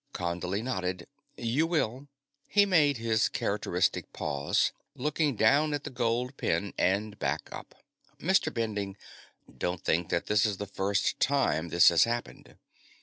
Condley nodded. "You will." He made his characteristic pause, looking down at the gold pen and back up. "Mr. Bending, don't think that this is the first time this has happened.